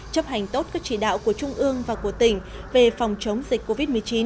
chấp hành tốt các chỉ đạo của trung ương và của tỉnh về phòng chống dịch covid một mươi chín